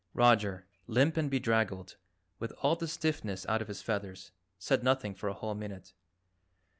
Roger, limp and bedraggled, with all the stiffness out of his feathers, said nothing for a whole minute.